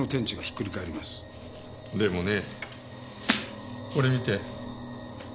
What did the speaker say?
でもねこれ見て。